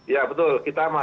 ya betul kita masih